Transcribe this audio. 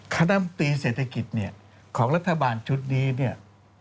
คณะมตรีเศรษฐกิจเนี่ยของรัฐบาลชุดนี้เนี่ย